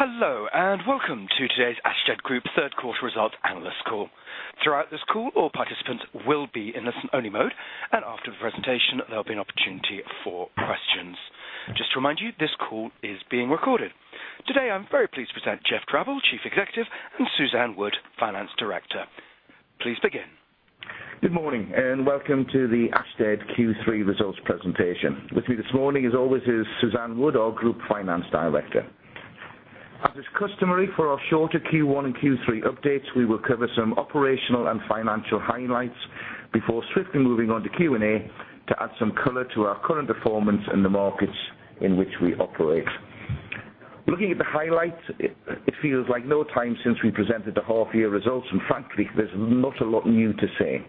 Hello, welcome to today's Ashtead Group third quarter results analyst call. Throughout this call, all participants will be in listen-only mode, after the presentation, there'll be an opportunity for questions. To remind you, this call is being recorded. Today, I am very pleased to present Geoff Drabble, Chief Executive, and Suzanne Wood, Finance Director. Please begin. Good morning, welcome to the Ashtead Q3 results presentation. With me this morning as always is Suzanne Wood, our Group Finance Director. As is customary for our shorter Q1 and Q3 updates, we will cover some operational and financial highlights before swiftly moving on to Q&A to add some color to our current performance in the markets in which we operate. Looking at the highlights, it feels like no time since we presented the half-year results, frankly, there's not a lot new to say.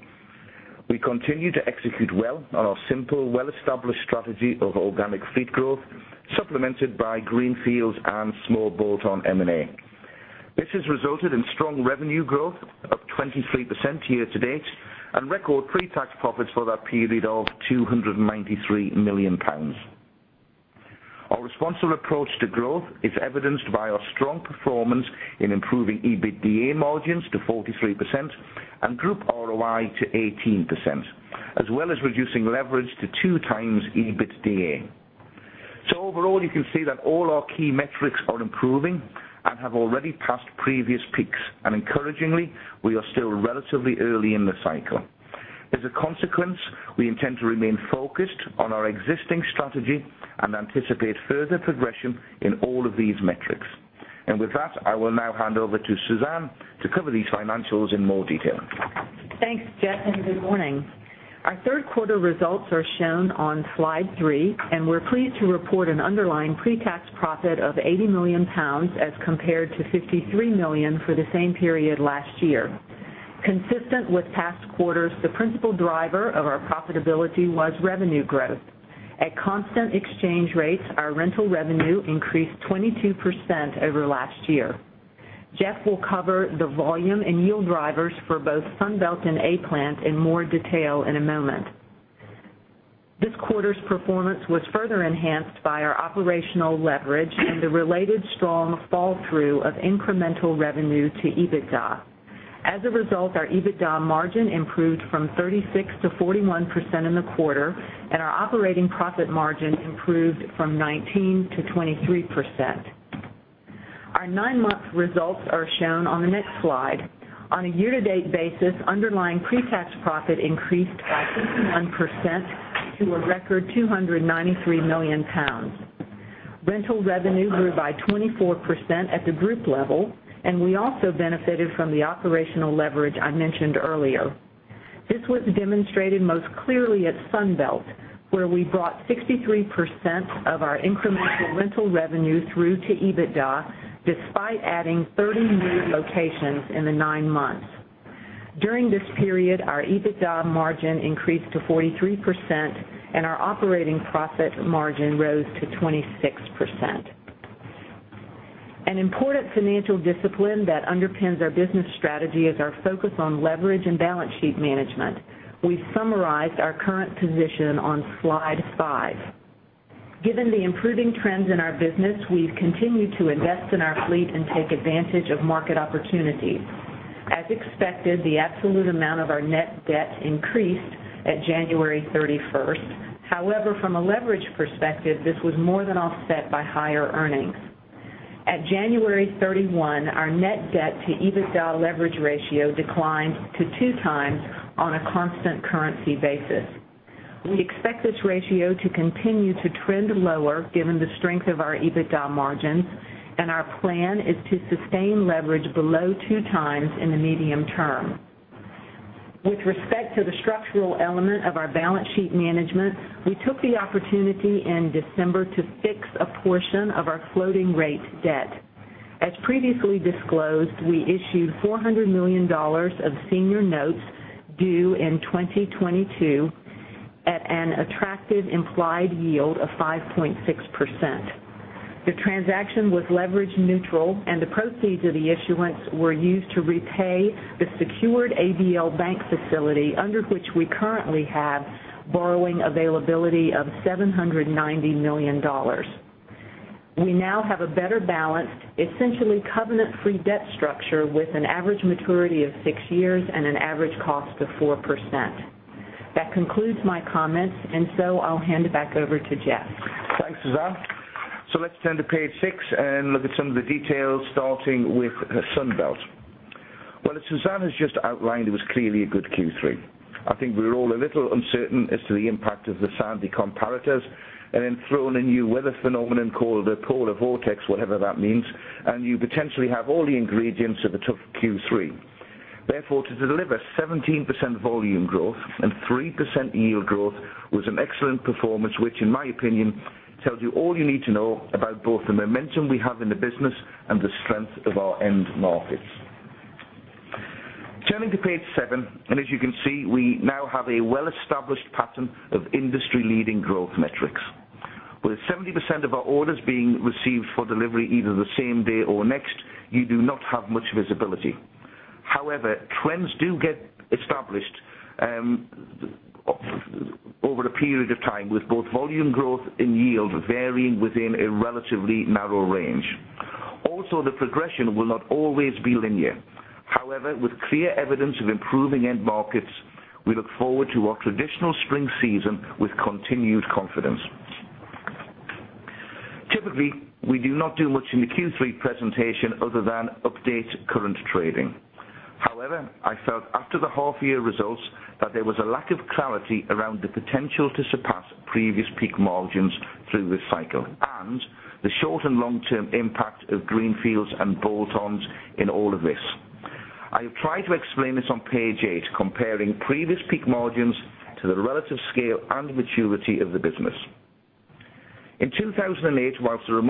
We continue to execute well on our simple, well-established strategy of organic fleet growth, supplemented by greenfields and small bolt-on M&A. This has resulted in strong revenue growth of 23% year-to-date and record pretax profits for that period of 293 million pounds. Our responsible approach to growth is evidenced by our strong performance in improving EBITDA margins to 43% and group ROI to 18%, as well as reducing leverage to two times EBITDA. Overall, you can see that all our key metrics are improving and have already passed previous peaks. Encouragingly, we are still relatively early in the cycle. As a consequence, we intend to remain focused on our existing strategy and anticipate further progression in all of these metrics. With that, I will now hand over to Suzanne to cover these financials in more detail. Thanks, Geoff, good morning. Our third quarter results are shown on slide three, we're pleased to report an underlying pretax profit of 80 million pounds as compared to 53 million for the same period last year. Consistent with past quarters, the principal driver of our profitability was revenue growth. At constant exchange rates, our rental revenue increased 22% over last year. Geoff will cover the volume and yield drivers for both Sunbelt and A-Plant in more detail in a moment. This quarter's performance was further enhanced by our operational leverage and the related strong fall-through of incremental revenue to EBITDA. As a result, our EBITDA margin improved from 36% to 41% in the quarter, our operating profit margin improved from 19% to 23%. Our nine-month results are shown on the next slide. On a year-to-date basis, underlying pretax profit increased by 51% to a record 293 million pounds. Rental revenue grew by 24% at the group level, and we also benefited from the operational leverage I mentioned earlier. This was demonstrated most clearly at Sunbelt, where we brought 63% of our incremental rental revenue through to EBITDA, despite adding 30 new locations in the nine months. During this period, our EBITDA margin increased to 43%, and our operating profit margin rose to 26%. An important financial discipline that underpins our business strategy is our focus on leverage and balance sheet management. We've summarized our current position on slide five. Given the improving trends in our business, we've continued to invest in our fleet and take advantage of market opportunities. As expected, the absolute amount of our net debt increased at January 31st. However, from a leverage perspective, this was more than offset by higher earnings. At January 31, our net debt to EBITDA leverage ratio declined to two times on a constant currency basis. We expect this ratio to continue to trend lower given the strength of our EBITDA margins, and our plan is to sustain leverage below two times in the medium term. With respect to the structural element of our balance sheet management, we took the opportunity in December to fix a portion of our floating rate debt. As previously disclosed, we issued $400 million of senior notes due in 2022 at an attractive implied yield of 5.6%. The transaction was leverage neutral, and the proceeds of the issuance were used to repay the secured ABL bank facility under which we currently have borrowing availability of $790 million. We now have a better balanced, essentially covenant-free debt structure with an average maturity of six years and an average cost of 4%. That concludes my comments. I'll hand it back over to Geoff. Thanks, Suzanne. Let's turn to page six and look at some of the details, starting with Sunbelt. Well, as Suzanne has just outlined, it was clearly a good Q3. I think we were all a little uncertain as to the impact of the Sandy comparators, and then throw in a new weather phenomenon called the polar vortex, whatever that means, and you potentially have all the ingredients of a tough Q3. Therefore, to deliver 17% volume growth and 3% yield growth was an excellent performance, which in my opinion, tells you all you need to know about both the momentum we have in the business and the strength of our end markets. Turning to page seven, and as you can see, we now have a well-established pattern of industry-leading growth metrics. With 70% of our orders being received for delivery either the same day or next, you do not have much visibility. However, trends do get established over a period of time with both volume growth and yield varying within a relatively narrow range. Also, the progression will not always be linear. However, with clear evidence of improving end markets, we look forward to our traditional spring season with continued confidence. Typically, we do not do much in the Q3 presentation other than update current trading. However, I felt after the half-year results that there was a lack of clarity around the potential to surpass previous peak margins through this cycle and the short and long-term impact of greenfields and bolt-ons in all of this. I have tried to explain this on page eight, comparing previous peak margins to the relative scale and maturity of the business. In 2008, whilst the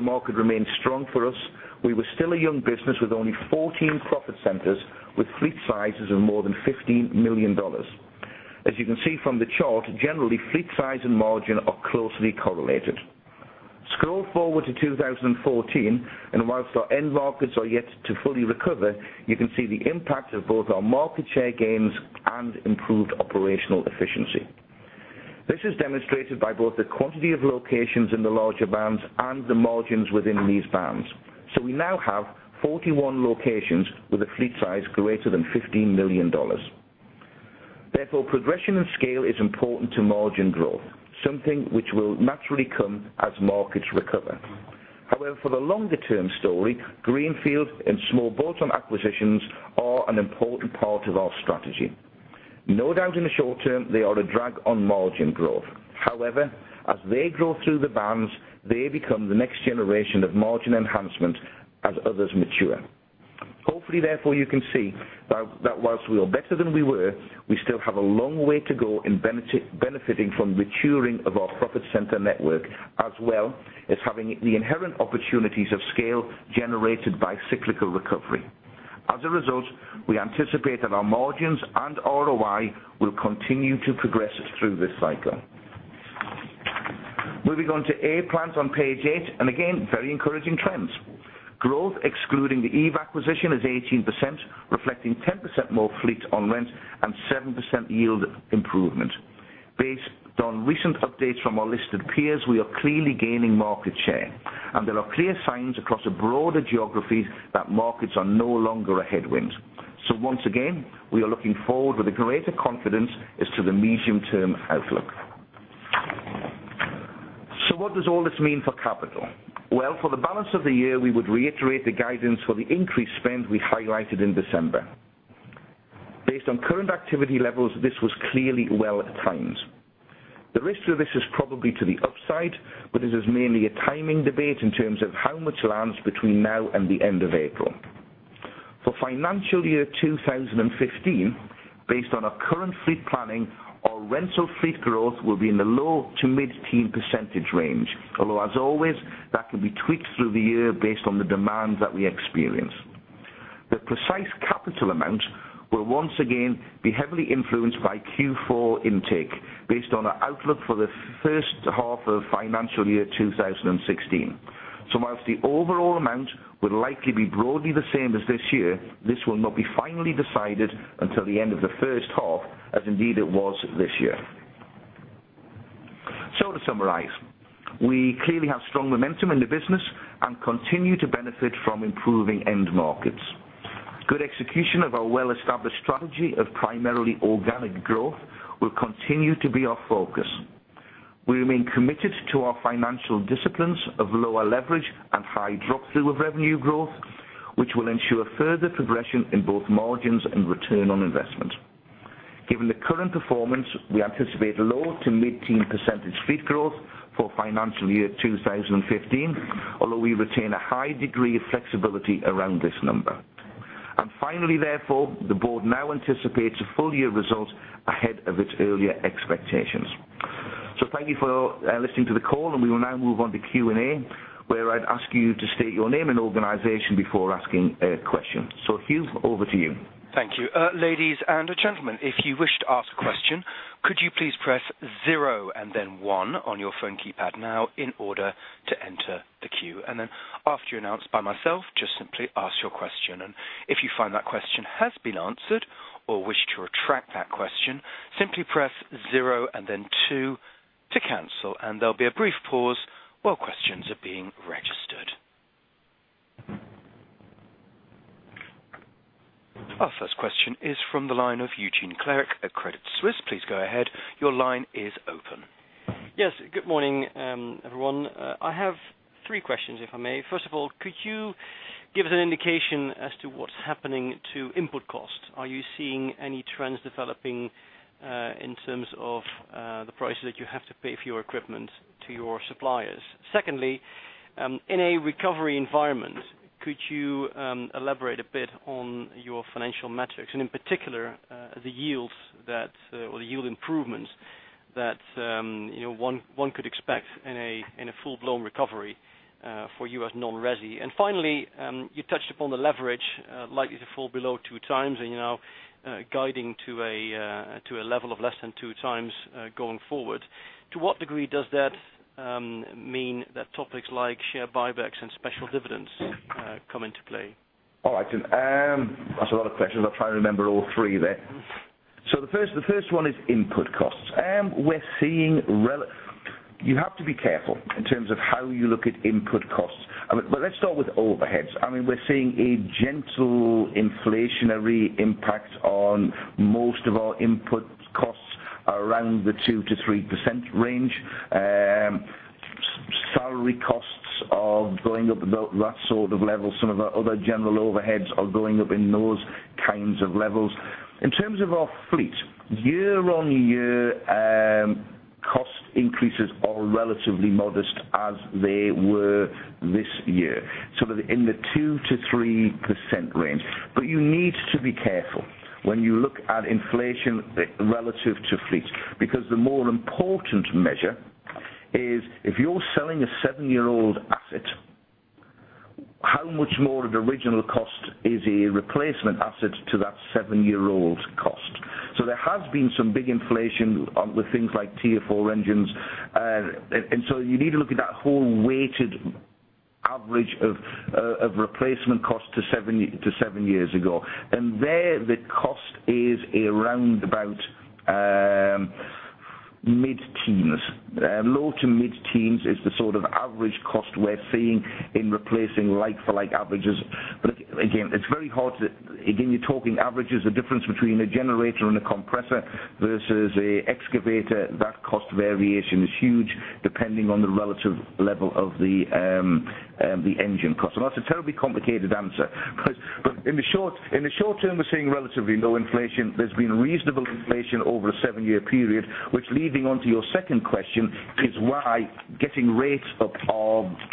market remained strong for us, we were still a young business with only 14 profit centers with fleet sizes of more than $15 million. As you can see from the chart, generally, fleet size and margin are closely correlated. Scroll forward to 2014, and whilst our end markets are yet to fully recover, you can see the impact of both our market share gains and improved operational efficiency. This is demonstrated by both the quantity of locations in the larger bands and the margins within these bands. We now have 41 locations with a fleet size greater than $15 million. Progression and scale is important to margin growth, something which will naturally come as markets recover. However, for the longer-term story, greenfield and small bolt-on acquisitions are an important part of our strategy. No doubt in the short term, they are a drag on margin growth. However, as they grow through the bands, they become the next generation of margin enhancement as others mature. Hopefully, therefore, you can see that whilst we are better than we were, we still have a long way to go in benefiting from maturing of our profit center network, as well as having the inherent opportunities of scale generated by cyclical recovery. As a result, we anticipate that our margins and ROI will continue to progress through this cycle. Moving on to A-Plant on page eight, very encouraging trends. Growth excluding the EVE acquisition is 18%, reflecting 10% more fleet on rent and 7% yield improvement. Based on recent updates from our listed peers, we are clearly gaining market share, and there are clear signs across a broader geography that markets are no longer a headwind. Once again, we are looking forward with a greater confidence as to the medium-term outlook. What does all this mean for capital? For the balance of the year, we would reiterate the guidance for the increased spend we highlighted in December. Based on current activity levels, this was clearly well timed. The risk to this is probably to the upside, but this is mainly a timing debate in terms of how much lands between now and the end of April. For financial year 2015, based on our current fleet planning, our rental fleet growth will be in the low to mid-teen % range, although as always, that can be tweaked through the year based on the demands that we experience. The precise capital amount will once again be heavily influenced by Q4 intake based on our outlook for the first half of financial year 2016. Whilst the overall amount will likely be broadly the same as this year, this will not be finally decided until the end of the first half, as indeed it was this year. To summarize, we clearly have strong momentum in the business and continue to benefit from improving end markets. Good execution of our well-established strategy of primarily organic growth will continue to be our focus. We remain committed to our financial disciplines of lower leverage and high drop-through of revenue growth, which will ensure further progression in both margins and return on investment. Given the current performance, we anticipate low to mid-teen % fleet growth for financial year 2015, although we retain a high degree of flexibility around this number. Finally, therefore, the board now anticipates a full-year result ahead of its earlier expectations. Thank you for listening to the call, and we will now move on to Q&A, where I'd ask you to state your name and organization before asking a question. Hugh, over to you. Thank you. Ladies and gentlemen, if you wish to ask a question, could you please press zero and then one on your phone keypad now in order to enter the queue. After you're announced by myself, just simply ask your question. If you find that question has been answered or wish to retract that question, simply press zero and then two to cancel. There'll be a brief pause while questions are being registered. Our first question is from the line of Eugene Klerk at Credit Suisse. Please go ahead. Your line is open. Yes. Good morning, everyone. I have three questions, if I may. First of all, could you give us an indication as to what's happening to input costs? Are you seeing any trends developing in terms of the price that you have to pay for your equipment to your suppliers? Secondly, in a recovery environment, could you elaborate a bit on your financial metrics, and in particular, the yields that, or the yield improvements that one could expect in a full-blown recovery for you as non-residential? Finally, you touched upon the leverage likely to fall below two times and you now guiding to a level of less than two times going forward. To what degree does that mean that topics like share buybacks and special dividends come into play? All right. That's a lot of questions. I'll try and remember all three there. The first one is input costs. You have to be careful in terms of how you look at input costs. Let's start with overheads. We're seeing a gentle inflationary impact on most of our input costs around the 2%-3% range. Salary costs are going up, about that sort of level. Some of our other general overheads are going up in those kinds of levels. In terms of our fleet, year on year, cost increases are relatively modest as they were this year, so they're in the 2%-3% range. You need to be careful when you look at inflation relative to fleet, because the more important measure is if you're selling a seven-year-old asset, how much more of the original cost is a replacement asset to that seven-year-old cost? There has been some big inflation with things like Tier 4 engines. You need to look at that whole weighted average of replacement cost to seven years ago. There, the cost is around about mid-teens. Low to mid-teens is the sort of average cost we're seeing in replacing like for like averages. Again, it's very hard. Again, you're talking averages. The difference between a generator and a compressor versus an excavator, that cost variation is huge depending on the relative level of the engine cost. That's a terribly complicated answer. In the short term, we're seeing relatively low inflation. There's been reasonable inflation over a seven-year period, which leading onto your second question, is why getting rates up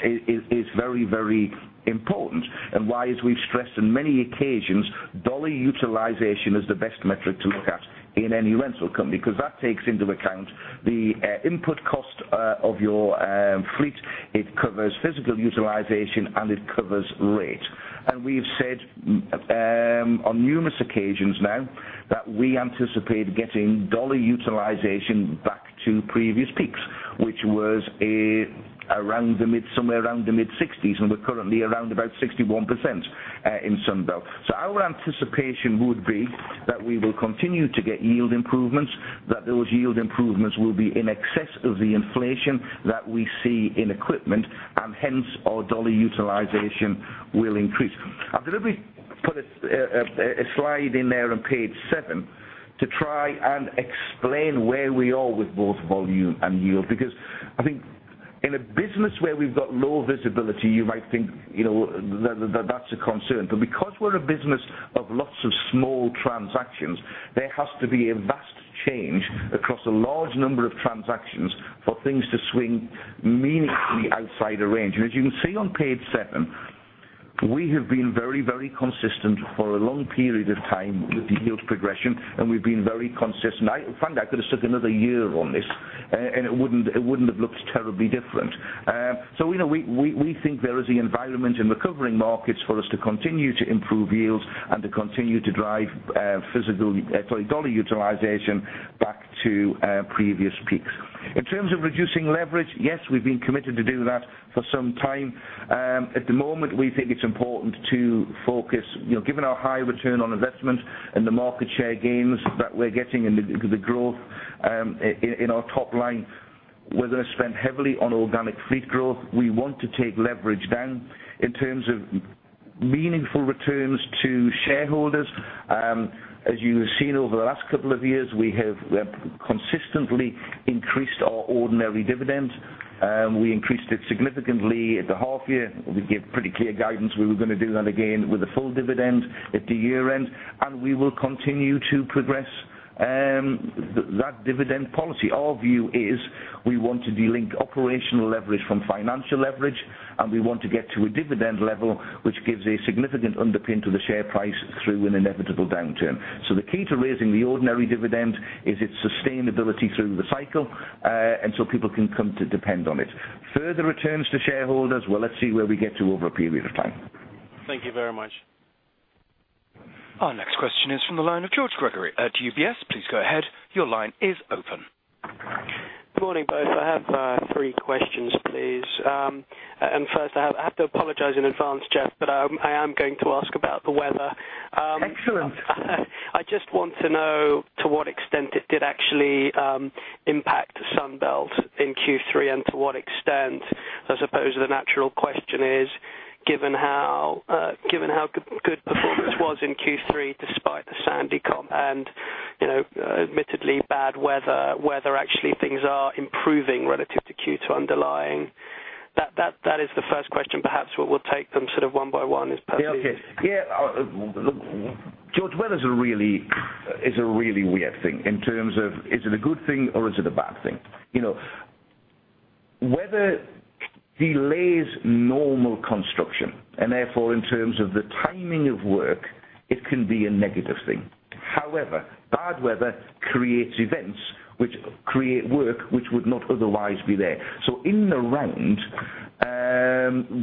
is very important, and why, as we've stressed on many occasions, dollar utilization is the best metric to look at in any rental company. Because that takes into account the input cost of your fleet, it covers physical utilization, and it covers rate. We've said on numerous occasions now that we anticipate getting dollar utilization back to previous peaks, which was somewhere around the mid-60s, and we're currently around about 61% in Sunbelt. Our anticipation would be that we will continue to get yield improvements, that those yield improvements will be in excess of the inflation that we see in equipment, and hence our dollar utilization will increase. I deliberately put a slide in there on page seven to try and explain where we are with both volume and yield, because I think in a business where we've got low visibility, you might think that that's a concern. Because we're a business of lots of small transactions, there has to be a vast change across a large number of transactions for things to swing meaningfully outside the range. As you can see on page seven, we have been very consistent for a long period of time with the yield progression, and we've been very consistent. In fact, I could have stuck another year on this, and it wouldn't have looked terribly different. We think there is the environment in recovering markets for us to continue to improve yields and to continue to drive dollar utilization back to previous peaks. In terms of reducing leverage, yes, we've been committed to do that for some time. At the moment, we think it's important to focus. Given our high return on investment and the market share gains that we're getting and the growth in our top line, we're going to spend heavily on organic fleet growth. We want to take leverage down. In terms of meaningful returns to shareholders, as you have seen over the last couple of years, we have consistently increased our ordinary dividend. We increased it significantly at the half year. We gave pretty clear guidance we were going to do that again with a full dividend at the year end. We will continue to progress that dividend policy. Our view is we want to de-link operational leverage from financial leverage, and we want to get to a dividend level which gives a significant underpin to the share price through an inevitable downturn. The key to raising the ordinary dividend is its sustainability through the cycle. People can come to depend on it. Further returns to shareholders, well, let's see where we get to over a period of time. Thank you very much. Our next question is from the line of George Gregory at UBS. Please go ahead. Your line is open. Good morning, both. I have three questions, please. First, I have to apologize in advance, Geoff, I am going to ask about the weather. Excellent. I just want to know to what extent it did actually impact Sunbelt in Q3 and to what extent, I suppose the natural question is, given how good performance was in Q3 despite the Sandy comp and admittedly bad weather, whether actually things are improving relative to Q2 underlying. That is the first question. Perhaps we will take them sort of one by one. Yeah, okay. Look, George, weather is a really weird thing in terms of, is it a good thing or is it a bad thing? Weather delays normal construction. Therefore, in terms of the timing of work, it can be a negative thing. However, bad weather creates events which create work which would not otherwise be there.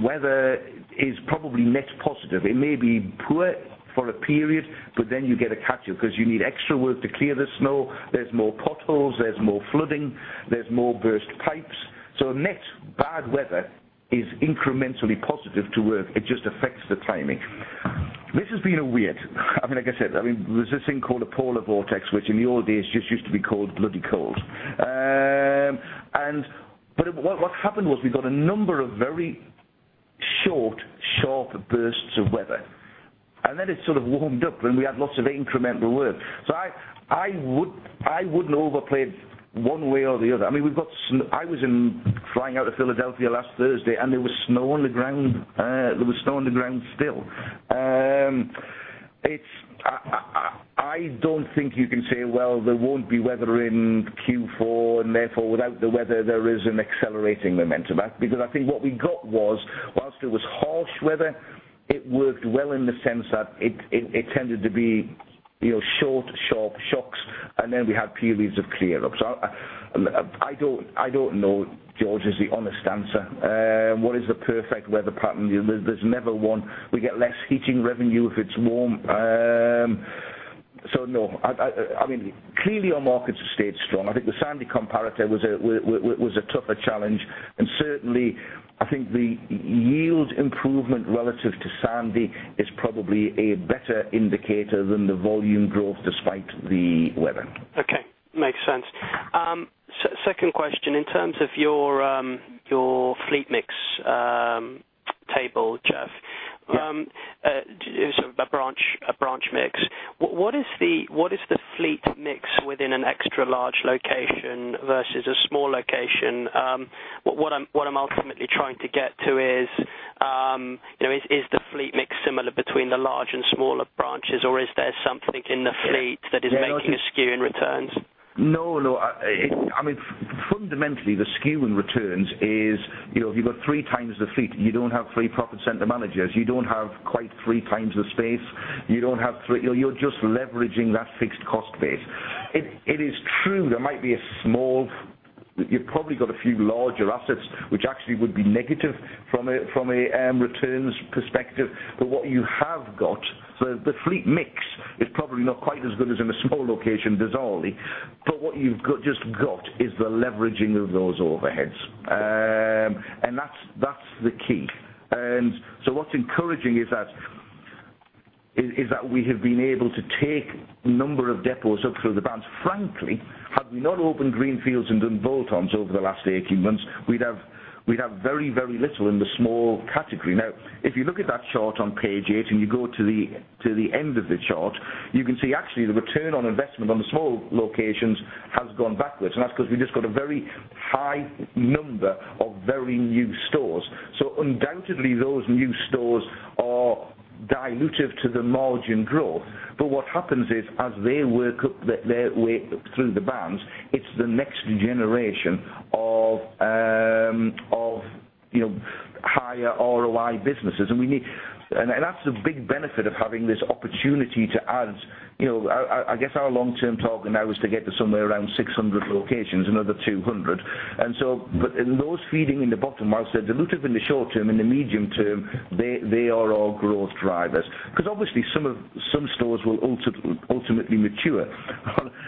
Weather is probably net positive. It may be poor for a period. Then you get a catch-up because you need extra work to clear the snow. There's more potholes, there's more flooding, there's more burst pipes. Net bad weather is incrementally positive to work. It just affects the timing. This has been a weird like I said, there's this thing called a polar vortex, which in the old days just used to be called bloody cold. What happened was we got a number of very short, sharp bursts of weather, and then it sort of warmed up and we had lots of incremental work. I wouldn't overplay it one way or the other. I was flying out of Philadelphia last Thursday, and there was snow on the ground still. I don't think you can say, well, there won't be weather in Q4, and therefore, without the weather, there is an accelerating momentum. I think what we got was, whilst it was harsh weather, it worked well in the sense that it tended to be short, sharp shocks, and then we had periods of clear up. I don't know, George, is the honest answer. What is the perfect weather pattern? There's never one. We get less heating revenue if it's warm. No. Clearly, our markets have stayed strong. I think the Sandy comparator was a tougher challenge, certainly, I think the yield improvement relative to Sandy is probably a better indicator than the volume growth despite the weather. Okay. Makes sense. Second question, in terms of your fleet mix table, Geoff. Yeah a branch mix. What is the fleet mix within an extra-large location versus a small location? What I'm ultimately trying to get to is the fleet mix similar between the large and smaller branches, or is there something in the fleet that is making a skew in returns? No. Fundamentally, the skew in returns is, if you've got three times the fleet, you don't have three profit center managers. You don't have quite three times the space. You're just leveraging that fixed cost base. It is true there might be a few larger assets, which actually would be negative from a returns perspective. The fleet mix is probably not quite as good as in a small location, bizarrely, what you've just got is the leveraging of those overheads. That's the key. What's encouraging is that we have been able to take a number of depots up through the bands. Frankly, had we not opened Greenfields and done bolt-ons over the last 18 months, we'd have very, very little in the small category. If you look at that chart on page eight, and you go to the end of the chart, you can see actually the return on investment on the small locations has gone backwards. That's because we just got a very high number of very new stores. Undoubtedly, those new stores are dilutive to the margin growth. What happens is, as they work up their way through the bands, it's the next generation of higher ROI businesses. That's the big benefit of having this opportunity to add. I guess our long-term target now is to get to somewhere around 600 locations, another 200. Those feeding in the bottom, whilst they're dilutive in the short term, in the medium term, they are our growth drivers. Obviously, some stores will ultimately mature.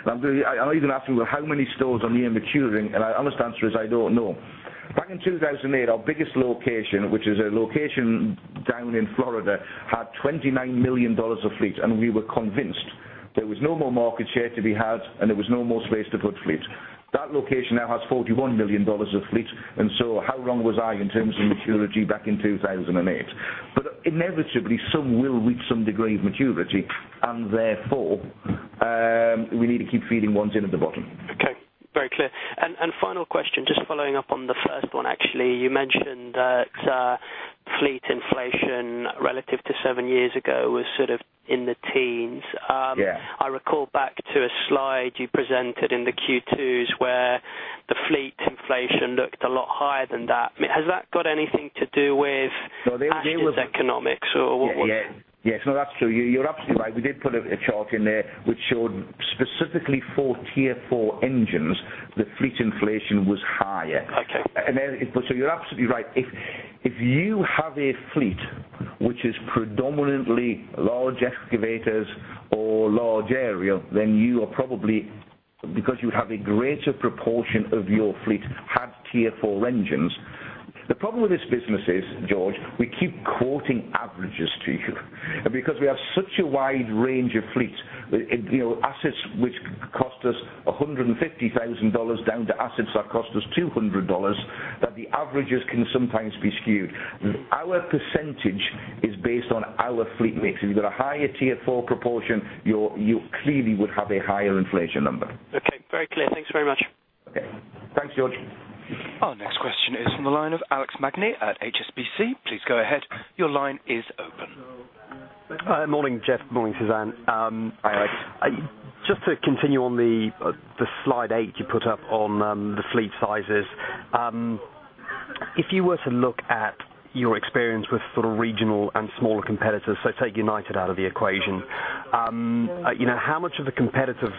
I even asked them, "Well, how many stores are near maturing?" Our honest answer is, "I don't know." Back in 2008, our biggest location, which is a location down in Florida, had $29 million of fleet, and we were convinced there was no more market share to be had, and there was no more space to put fleet. That location now has $41 million of fleet, how wrong was I in terms of maturity back in 2008? Inevitably, some will reach some degree of maturity, and therefore, we need to keep feeding ones in at the bottom. Okay. Very clear. Final question, just following up on the first one, actually. You mentioned that fleet inflation relative to seven years ago was sort of in the teens. Yeah. I recall back to a slide you presented in the Q2s where the fleet inflation looked a lot higher than that. Has that got anything to do with asset economics or what was it? Yeah. No, that's true. You're absolutely right. We did put a chart in there which showed specifically for Tier 4 engines, the fleet inflation was higher. Okay. You're absolutely right. If you have a fleet which is predominantly large excavators or large aerial, then you are probably, because you have a greater proportion of your fleet had Tier 4 engines. The problem with this business is, George, we keep quoting averages to you. Because we have such a wide range of fleets, assets which cost us $150,000 down to assets that cost us $200, that the averages can sometimes be skewed. Our percentage is based on our fleet mix. If you've got a higher Tier 4 proportion, you clearly would have a higher inflation number. Okay. Very clear. Thanks very much. Okay. Thanks, George. Our next question is from the line of Alex Magni at HSBC. Please go ahead. Your line is open. Hi, Alex. Just to continue on the slide eight you put up on the fleet sizes. If you were to look at your experience with regional and smaller competitors, take United out of the equation. How much of a competitive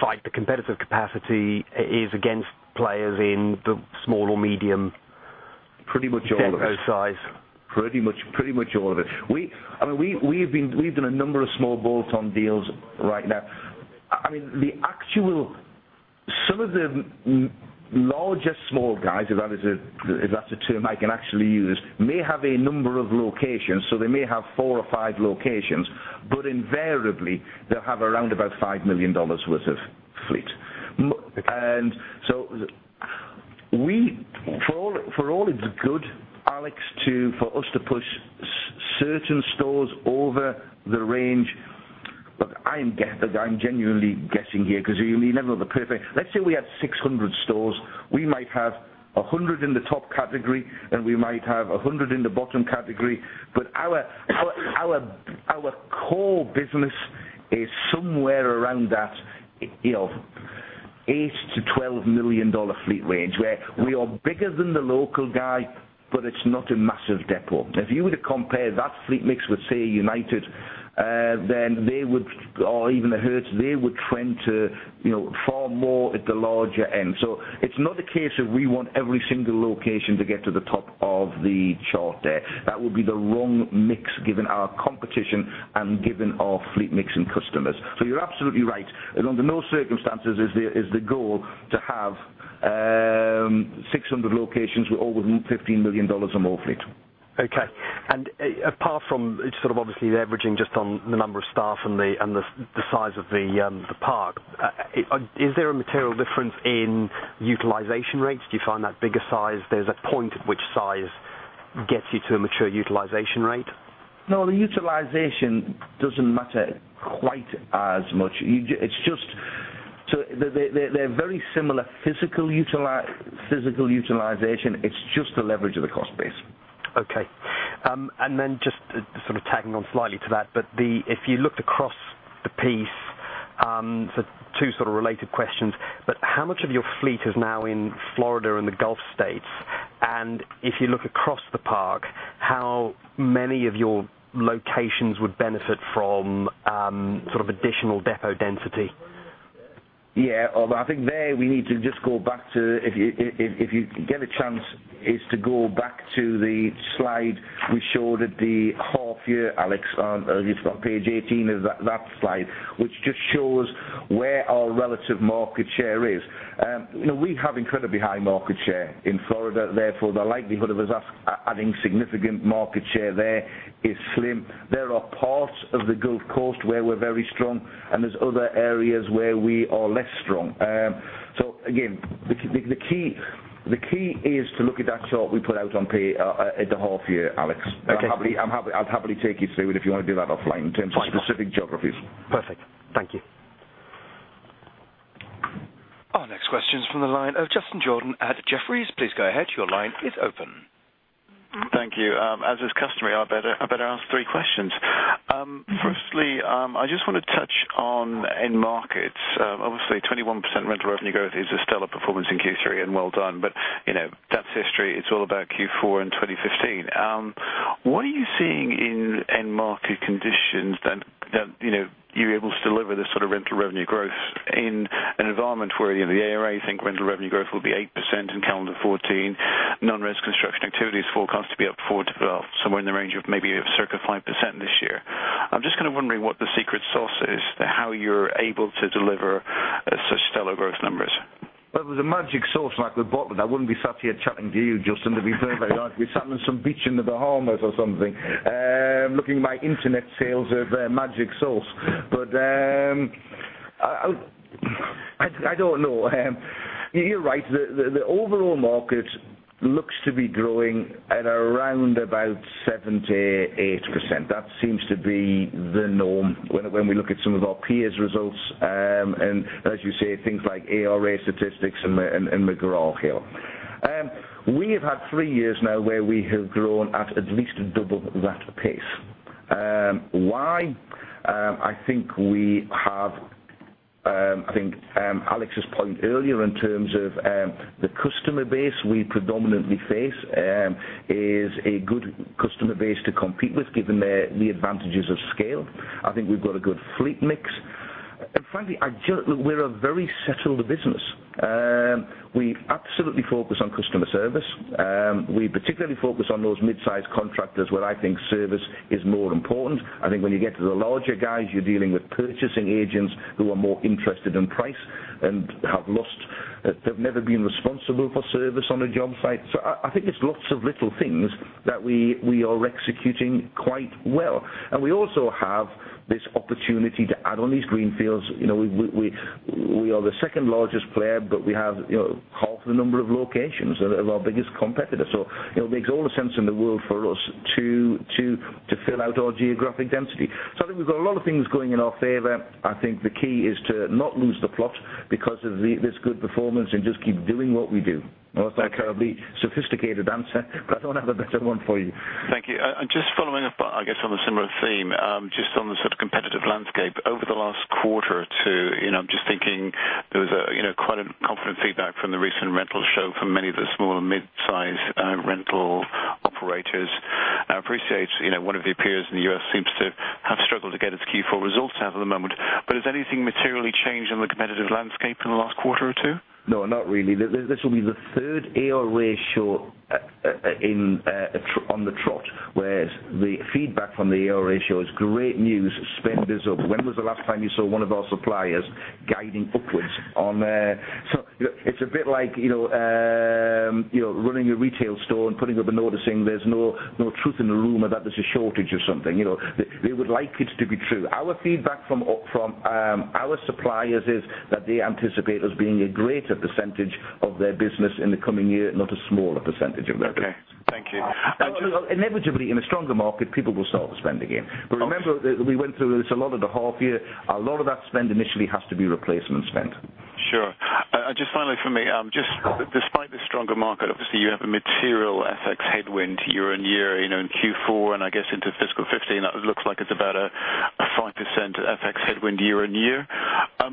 Fight the competitive capacity is against players in the small or medium- Pretty much all of it depot size. Pretty much all of it. We've done a number of small bolt-on deals right now. Some of the largest small guys, if that's a term I can actually use, may have a number of locations, so they may have four or five locations, but invariably they'll have around about $5 million worth of fleet. Okay. For all its good, Alex, for us to push certain stores over the range. Look, I'm genuinely guessing here because you never know the perfect Let's say we had 600 stores. We might have 100 in the top category, and we might have 100 in the bottom category, but our core business is somewhere around that $8 million-$12 million fleet range, where we are bigger than the local guy, but it's not a massive depot. If you were to compare that fleet mix with, say, United, or even the Hertz, they would trend to far more at the larger end. It's not a case of we want every single location to get to the top of the chart there. That would be the wrong mix given our competition and given our fleet mix and customers. You're absolutely right. Under no circumstances is the goal to have 600 locations with over GBP 15 million or more fleet. Apart from, it's obviously averaging just on the number of staff and the size of the park, is there a material difference in utilization rates? Do you find that bigger size, there's a point at which size gets you to a mature utilization rate? The utilization doesn't matter quite as much. They're very similar physical utilization. It's just the leverage of the cost base. Just tagging on slightly to that, if you looked across the piece, two related questions, how much of your fleet is now in Florida and the Gulf States? If you look across the park, how many of your locations would benefit from additional depot density? Yeah. I think there we need to just go back to, if you get a chance, is to go back to the slide we showed at the half year, Alex. You've got page 18, that slide, which just shows where our relative market share is. We have incredibly high market share in Florida. The likelihood of us adding significant market share there is slim. There are parts of the Gulf Coast where we're very strong, and there's other areas where we are less strong. Again, the key is to look at that chart we put out at the half year, Alex. Okay. I'm happy. I'll happily take you through it if you want to do that offline in terms of- Fine specific geographies. Perfect. Thank you. Our next question's from the line of Justin Jordan at Jefferies. Please go ahead. Your line is open. Thank you. As is customary, I better ask three questions. Firstly, I just want to touch on end markets. Obviously, 21% rental revenue growth is a stellar performance in Q3, and well done. That's history. It's all about Q4 in 2015. What are you seeing in end market conditions that you're able to deliver this sort of rental revenue growth in an environment where the ARA think rental revenue growth will be 8% in calendar 2014? Non-res construction activity is forecast to be up 4% to about somewhere in the range of maybe circa 5% this year. I'm just wondering what the secret sauce is to how you're able to deliver such stellar growth numbers. Well, if there was a magic sauce and I could bottle it, I wouldn't be sat here chatting to you, Justin. It'd be very, very odd. I'd be sat on some beach in the Bahamas or something looking at my internet sales of magic sauce. I don't know. You're right. The overall market looks to be growing at around about 7% to 8%. That seems to be the norm when we look at some of our peers' results. As you say, things like ARA statistics and McGraw Hill. We have had three years now where we have grown at least double that pace. Why? I think Alex's point earlier in terms of the customer base we predominantly face is a good customer base to compete with given the advantages of scale. I think we've got a good fleet mix. Frankly, we're a very settled business. We absolutely focus on customer service. We particularly focus on those mid-size contractors where I think service is more important. I think when you get to the larger guys, you're dealing with purchasing agents who are more interested in price and have never been responsible for service on a job site. I think it's lots of little things that we are executing quite well. We also have this opportunity to add on these greenfields. We are the second-largest player, but we have half the number of locations of our biggest competitor, so it makes all the sense in the world for us to fill out our geographic density. I think we've got a lot of things going in our favor. I think the key is to not lose the plot because of this good performance and just keep doing what we do. Not that terribly sophisticated answer, but I don't have a better one for you. Thank you. Just following up, I guess, on a similar theme. Just on the competitive landscape. Over the last quarter or two, I'm just thinking there was quite a confident feedback from the recent rental show from many of the small and mid-size Rental One of the peers in the U.S. seems to have struggled to get its Q4 results out at the moment. Has anything materially changed in the competitive landscape in the last quarter or two? No, not really. This will be the third ARA show on the trot, whereas the feedback from the ARA show is great news. Spend is up. When was the last time you saw one of our suppliers guiding upwards? It's a bit like running a retail store and putting up a notice saying there's no truth in the rumor that there's a shortage of something. They would like it to be true. Our feedback from our suppliers is that they anticipate us being a greater percentage of their business in the coming year, not a smaller percentage of their business. Okay. Thank you. Inevitably, in a stronger market, people will start to spend again. Remember, we went through this a lot at the half year. A lot of that spend initially has to be replacement spend. Sure. Just finally from me. Despite the stronger market, obviously you have a material FX headwind year-over-year, in Q4, and I guess into fiscal 2015, it looks like it's about a 5% FX headwind year-over-year.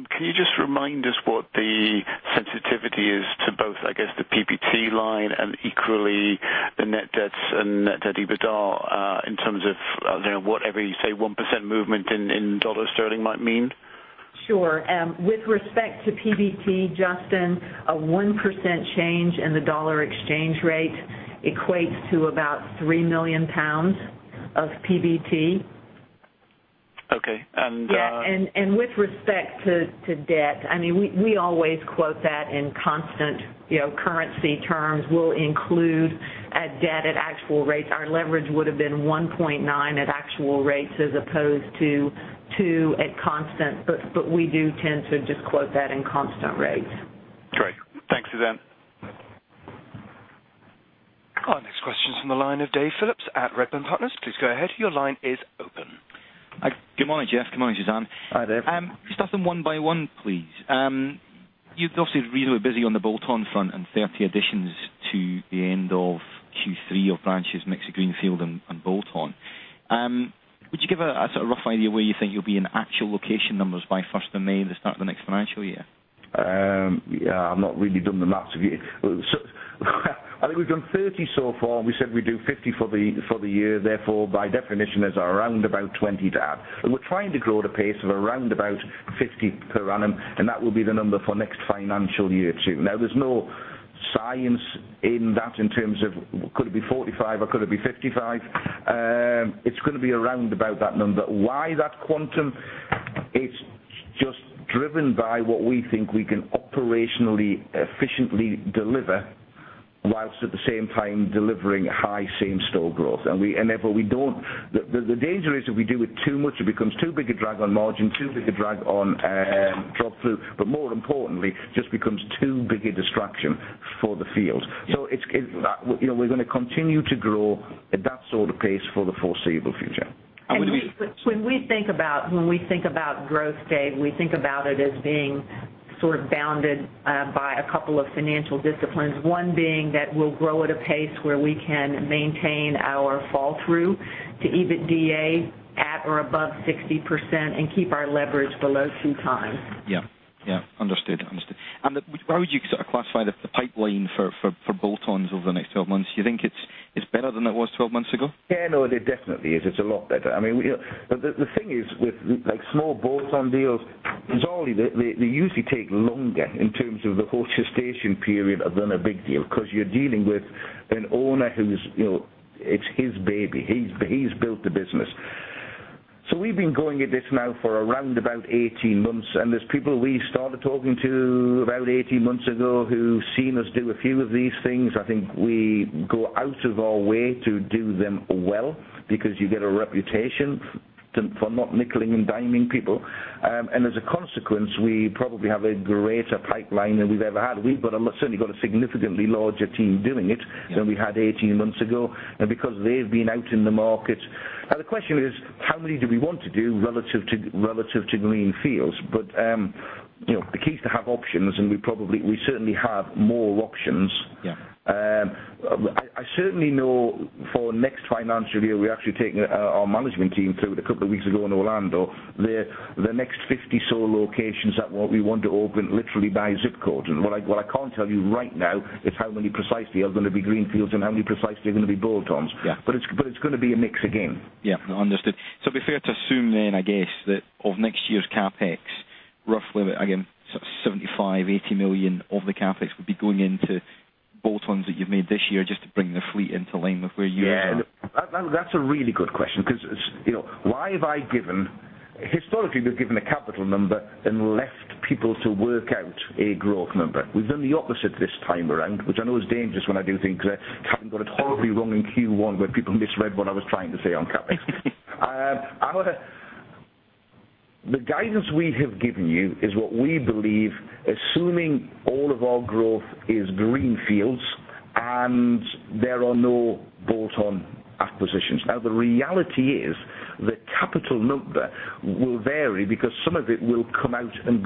Can you just remind us what the sensitivity is to both, I guess, the PBT line and equally the net debts and net debt EBITDA, in terms of whatever you say 1% movement in dollar/sterling might mean? Sure. With respect to PBT, Justin, a 1% change in the dollar exchange rate equates to about 3 million pounds of PBT. Okay. Yeah. With respect to debt, we always quote that in constant currency terms. We'll include a debt at actual rates. Our leverage would've been 1.9 at actual rates as opposed to two at constant. We do tend to just quote that in constant rates. Great. Thanks, Suzanne. Our next question is from the line of David Phillips at Redburn Partners. Please go ahead. Your line is open. Good morning, Geoff. Good morning, Suzanne. Hi, Dave. Just starting one by one, please. You've obviously been really busy on the bolt-on front and 30 additions to the end of Q3 of branches, mix of greenfield and bolt-on. Would you give a rough idea where you think you'll be in actual location numbers by 1st of May, the start of the next financial year? I've not really done the math. I think we've done 30 so far, and we said we'd do 50 for the year. By definition, there's around about 20 to add. We're trying to grow at a pace of around about 50 per annum, and that will be the number for next financial year too. There's no science in that in terms of could it be 45 or could it be 55. It's going to be around about that number. Why that quantum? It's just driven by what we think we can operationally efficiently deliver, whilst at the same time delivering high same-store growth. The danger is if we do it too much, it becomes too big a drag on margin, too big a drag on drop-through. More importantly, just becomes too big a distraction for the field. We're going to continue to grow at that sort of pace for the foreseeable future. When we think about growth, Dave, we think about it as being bounded by a couple of financial disciplines. One being that we will grow at a pace where we can maintain our fall-through to EBITDA at or above 60% and keep our leverage below two times. Understood. Where would you classify the pipeline for bolt-ons over the next 12 months? Do you think it is better than it was 12 months ago? It definitely is. It is a lot better. The thing is with small bolt-on deals, they usually take longer in terms of the whole gestation period other than a big deal. You are dealing with an owner who is, it is his baby. He has built the business. We have been going at this now for around about 18 months, and there are people we started talking to about 18 months ago who have seen us do a few of these things. I think we go out of our way to do them well because you get a reputation for not nickeling and diming people. As a consequence, we probably have a greater pipeline than we have ever had. We have certainly got a significantly larger team doing it than we had 18 months ago, because they have been out in the market. The question is, how many do we want to do relative to greenfields? The key is to have options, and we certainly have more options. Yeah. I certainly know for next financial year, we're actually taking our management team through it a couple of weeks ago in Orlando. The next 50-so locations that we want to open literally by ZIP Code. What I can't tell you right now is how many precisely are going to be greenfields and how many precisely are going to be bolt-ons. Yeah. It's going to be a mix again. Yeah. Understood. It'd be fair to assume then, I guess, that of next year's CapEx, roughly again, sort of 75 million-80 million of the CapEx would be going into bolt-ons that you've made this year just to bring the fleet into line with where you are now. Yeah. That's a really good question because why have I given Historically, we've given a capital number and left people to work out a growth number. We've done the opposite this time around, which I know is dangerous when I do think because I got it horribly wrong in Q1 where people misread what I was trying to say on CapEx. The guidance we have given you is what we believe, assuming all of our growth is greenfields and there are no bolt-on acquisitions. The reality is the capital number will vary because some of it will come out and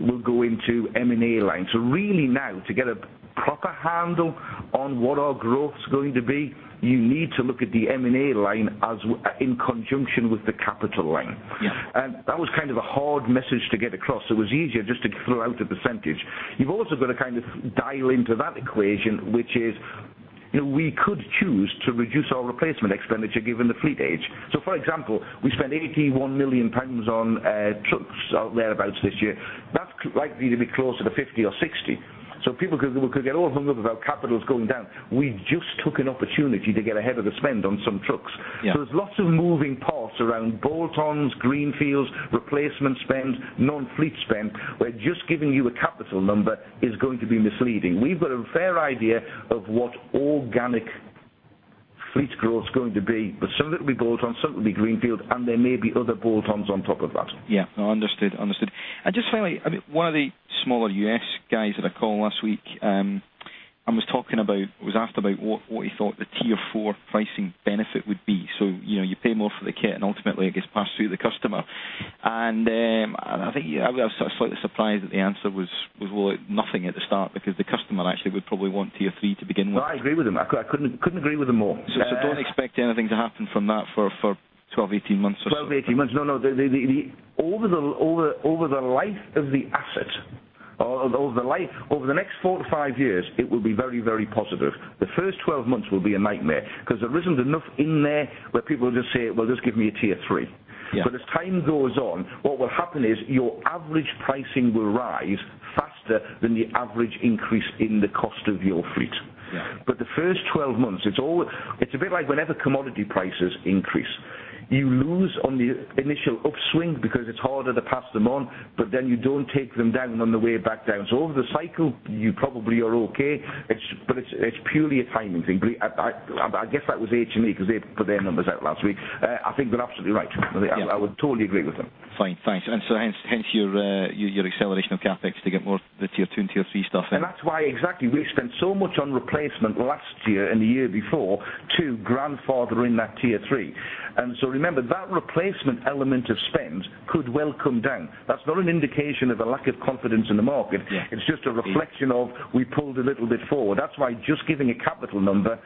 will go into M&A line. Really now, to get a proper handle on what our growth's going to be, you need to look at the M&A line in conjunction with the capital line. Yeah. That was kind of a hard message to get across. It was easier just to throw out a percentage. You've also got to kind of dial into that equation, which is, we could choose to reduce our replacement expenditure given the fleet age. For example, we spent 81 million pounds on trucks out there about this year. That's likely to be closer to 50 or 60. People could get all hung up about capital is going down. We just took an opportunity to get ahead of the spend on some trucks. Yeah. There's lots of moving parts around bolt-ons, greenfields, replacement spend, non-fleet spend, where just giving you a capital number is going to be misleading. We've got a fair idea of what organic fleet growth is going to be, some of it will be bolt-on, some will be greenfield, and there may be other bolt-ons on top of that. Yeah. No, understood. Just finally, one of the smaller U.S. guys that I called last week, I was talking about, was asked about what he thought the Tier 4 pricing benefit would be. You pay more for the kit and ultimately it gets passed through to the customer. I think I was slightly surprised that the answer was nothing at the start because the customer actually would probably want Tier 3 to begin with. No, I agree with him. I couldn't agree with him more. Don't expect anything to happen from that for 12, 18 months or so. 12 to 18 months. No, over the life of the asset, over the next 4 to 5 years, it will be very positive. The first 12 months will be a nightmare because there isn't enough in there where people will just say, "Well, just give me a Tier 3. Yeah. As time goes on, what will happen is your average pricing will rise faster than the average increase in the cost of your fleet. Yeah. The first 12 months, it's a bit like whenever commodity prices increase. You lose on the initial upswing because it's harder to pass them on, but then you don't take them down on the way back down. Over the cycle, you probably are okay. It's purely a timing thing. I guess that was H&E because they put their numbers out last week. I think they're absolutely right. Yeah. I would totally agree with them. Hence your acceleration of CapEx to get more of the tier 2 and tier 3 stuff in. That's why exactly we spent so much on replacement last year and the year before to grandfather in that tier 3. Remember, that replacement element of spend could well come down. That's not an indication of a lack of confidence in the market. Yeah. It's just a reflection of we pulled a little bit forward. That's why just giving a capital number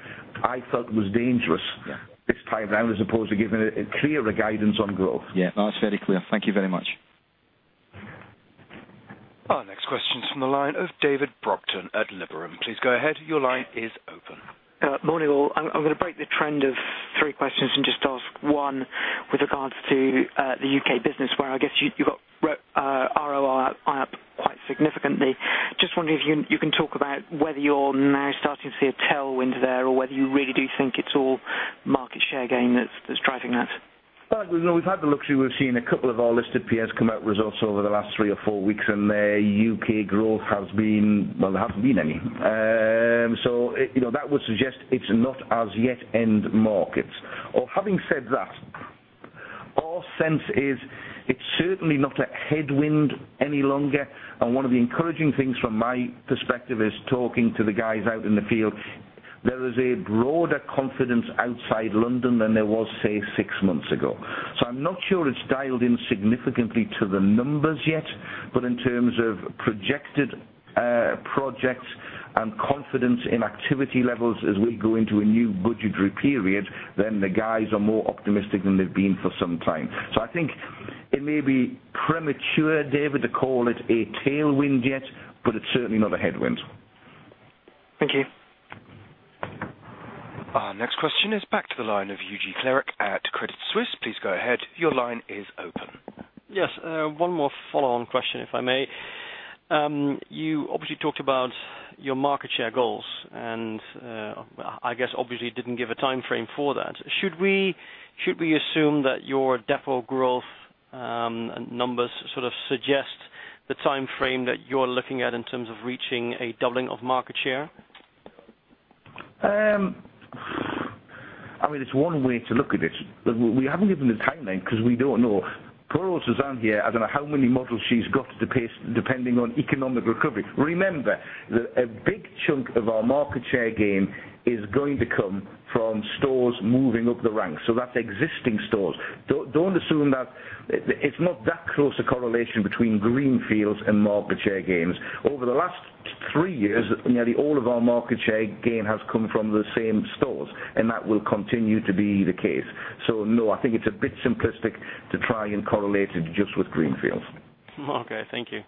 I felt was dangerous. Yeah this time around, as opposed to giving a clearer guidance on growth. Yeah. No, it's very clear. Thank you very much. Our next question's from the line of David Brocton at Liberum. Please go ahead. Your line is open. Morning, all. I'm going to break the trend of three questions and just ask one with regards to the U.K. business, where I guess you got ROR up quite significantly. Just wondering if you can talk about whether you're now starting to see a tailwind there or whether you really do think it's all market share gain that's driving that. Well, we've had the luxury. We've seen a couple of our listed peers come out with results over the last three or four weeks, their U.K. growth has been, well, there hasn't been any. That would suggest it's not as yet end markets. Having said that, our sense is it's certainly not a headwind any longer, and one of the encouraging things from my perspective is talking to the guys out in the field. There is a broader confidence outside London than there was, say, six months ago. I'm not sure it's dialed in significantly to the numbers yet. In terms of projected projects and confidence in activity levels as we go into a new budgetary period, the guys are more optimistic than they've been for some time. I think it may be premature, David, to call it a tailwind yet, it's certainly not a headwind. Thank you. Our next question is back to the line of Eugene Klerk at Credit Suisse. Please go ahead. Your line is open. Yes. One more follow-on question, if I may. You obviously talked about your market share goals, I guess obviously didn't give a timeframe for that. Should we assume that your defo growth numbers sort of suggest the timeframe that you're looking at in terms of reaching a doubling of market share? I mean, it's one way to look at it. We haven't given a timeline because we don't know. Poor Suzanne here, I don't know how many models she's got depending on economic recovery. Remember that a big chunk of our market share gain is going to come from stores moving up the ranks. That's existing stores. Don't assume that, it's not that close a correlation between greenfields and market share gains. Over the last three years, nearly all of our market share gain has come from the same stores, and that will continue to be the case. No, I think it's a bit simplistic to try and correlate it just with greenfields. Thank you.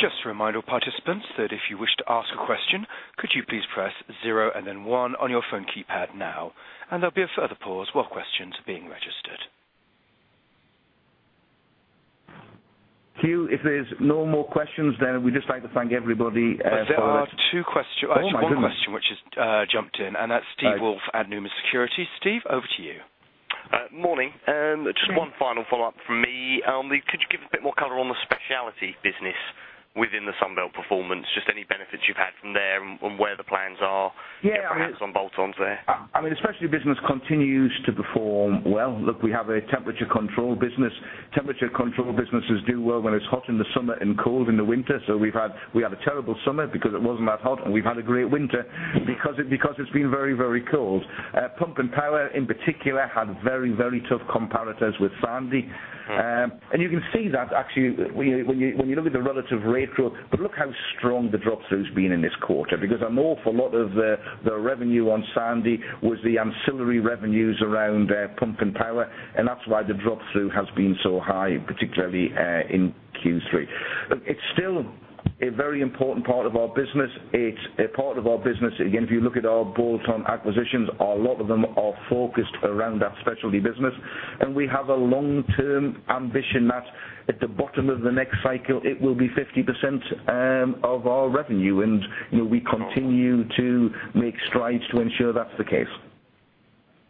Just a reminder, participants, that if you wish to ask a question, could you please press 0 and then 1 on your phone keypad now. There'll be a further pause while questions are being registered. Hugh, if there's no more questions, we'd just like to thank everybody for. There are two questions. Oh my goodness. Actually, one question which has jumped in, that's Steve Wolf at Numis Securities. Steve, over to you. Morning. One final follow-up from me. Could you give a bit more color on the specialty business within the Sunbelt Rentals performance? Any benefits you've had from there and where the plans are. Yeah. Perhaps on bolt-ons there. I mean, the specialty business continues to perform well. Look, we have a temperature control business. Temperature control businesses do well when it's hot in the summer and cold in the winter. We had a terrible summer because it wasn't that hot, and we've had a great winter because it's been very cold. Pump and power in particular had very tough comparators with Hurricane Sandy. Yeah. You can see that actually when you look at the relative rate growth. Look how strong the drop through's been in this quarter because an awful lot of the revenue on Hurricane Sandy was the ancillary revenues around pump and power, and that's why the drop through has been so high, particularly in Q3. Look, it's still a very important part of our business. It's a part of our business. Again, if you look at our bolt-on acquisitions, a lot of them are focused around that specialty business, and we have a long-term ambition that at the bottom of the next cycle, it will be 50% of our revenue, and we continue to make strides to ensure that's the case.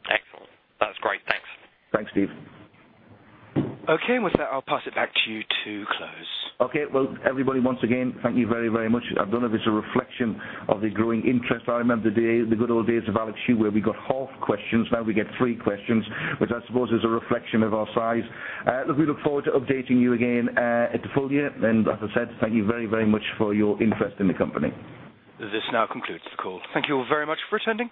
Excellent. That's great. Thanks. Thanks, Steve. Okay. With that, I'll pass it back to you to close. Okay. Well, everybody, once again, thank you very much. I don't know if it's a reflection of the growing interest. I remember the good old days of Alex Hsu where we got half questions. Now we get three questions, which I suppose is a reflection of our size. Look, we look forward to updating you again at the full year. As I said, thank you very much for your interest in the company. This now concludes the call. Thank you all very much for attending.